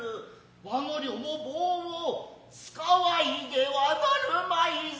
和御寮も棒を使わいではなるまいぞ。